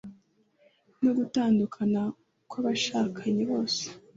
no gutandukana kw abashakanye bose